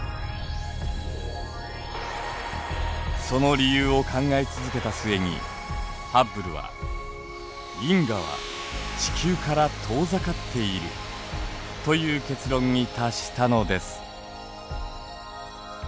その理由を考え続けた末にハッブルは「銀河は地球から遠ざかっている」という結論に達したのです。